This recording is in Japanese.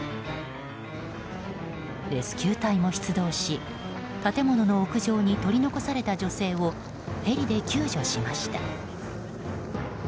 レスキュー隊も出動し建物の屋上に取り残された女性をヘリで救助しました。